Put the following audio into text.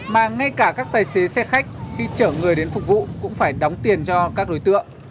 mà ngay cả các tài xế xe khách khi chở người đến phục vụ cũng phải đóng tiền cho các đối tượng